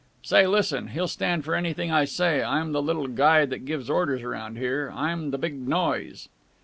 "Say, listen! He'll stand for anything I say. I'm the little guy that gives orders round here. I'm the big noise!"